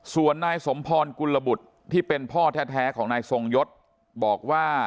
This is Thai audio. ส่วนนายสมภวรกุณลบุธเป็นพ่อแท้ของนายสงยศบอก